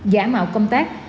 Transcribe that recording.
giả mạo công tác